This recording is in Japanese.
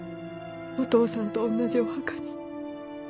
お父さんと同じお墓に。